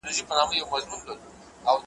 چي له تقریباً نیمي پېړۍ راهیسي ,